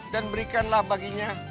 dan berikanlah baginya